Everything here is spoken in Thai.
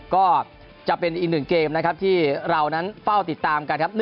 ก็จะเป็นอีกหนึ่งเกมนะครับที่เรานั้นเฝ้าติดตามกันครับ